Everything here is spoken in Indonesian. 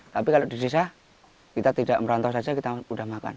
tapi kalau di sisa kita tidak merantau saja kita udah makan